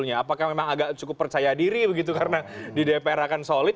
apakah memang agak cukup percaya diri begitu karena di dpr akan solid